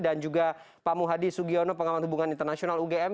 dan juga pak muhadi sugiono pengamatan hubungan internasional ugm